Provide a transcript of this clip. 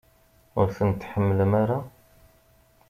Ur tent-tḥemmlem ara?